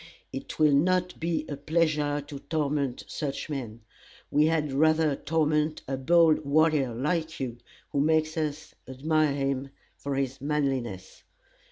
It will not be a pleasure to torment such men. We had rather torment a bold warrior, like you, who makes us admire him for his manliness.